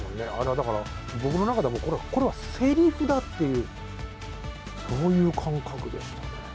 だから、僕の中ではこれはせりふだっていう、そういう感覚でしたね。